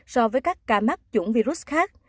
so với các ca mắc chủng virus khác